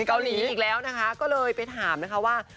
เกาหลีอีกแล้วนะคะก็เลยไปถามนะคะว่า